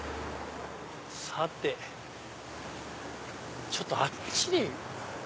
さてちょっとあっちに。